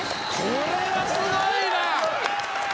これはすごいな！